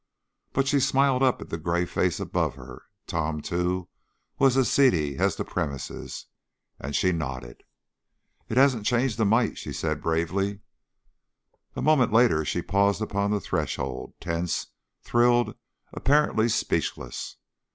But she smiled up at the gray face above her Tom, too, was as seedy as the premises and she nodded. "It hasn't changed a mite," she said, bravely. A moment later she paused upon the threshold, tense, thrilled, apparently speechless.